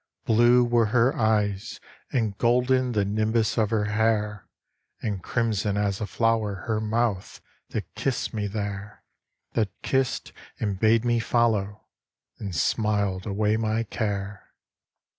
Blue were her eyes, and golden The nimbus of her hair; And crimson as a flower Her mouth that kissed me there; That kissed and bade me follow, And smiled away my care.